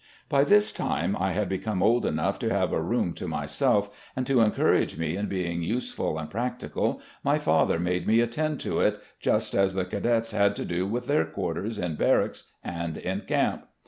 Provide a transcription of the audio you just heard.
By this time I had become old enough to have a room to myself, and, to encourage me in being useful and prac tical, my father made me attend to it, just as the cadets had to do with their quarters in barracks and in camp.